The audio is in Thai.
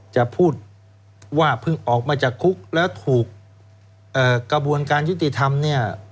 จะพูดว่าเพิ่งออกมาจากคุกแล้วถูกกระบวนการยุติธรรมเนี่ย